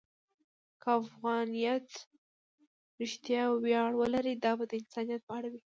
که افغانیت رښتیا ویاړ ولري، دا به د انسانیت په اړه وي.